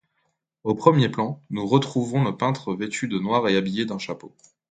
Au premier plan, nous retrouvons le peintre vêtu de noir et habillé d’un chapeau.